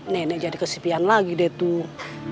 nenek jadi kesepian lagi deh tuh